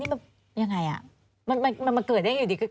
มันเกิดได้ยังไงอยู่ดี